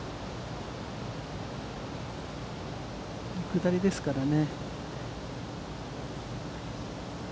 下りですからね。